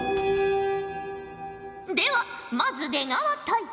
ではまず出川隊。